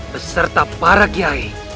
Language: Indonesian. beserta para kiai